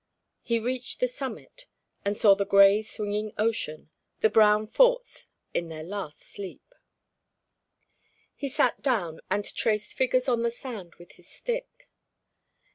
He reached the summit, and saw the grey swinging ocean, the brown forts in their last sleep. He sat down, and traced figures on the sand with his stick.